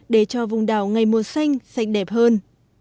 để cho vùng đảo ngày mùa xanh sạch đẹp hơn